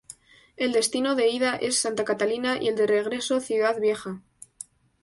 El destino de ida es Santa Catalina y el de regreso Ciudad Vieja.